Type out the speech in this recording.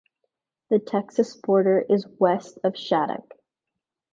The Texas border is west of Shattuck.